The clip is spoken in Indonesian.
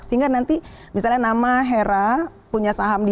sehingga nanti misalnya nama hera punya saham di